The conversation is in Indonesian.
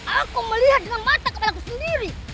aku melihat dengan mata kebelaku sendiri